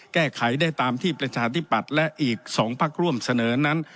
แก้ไขได้ตามที่ประชาธิปัตย์และอีก๒พักร่วมเสนอนั้น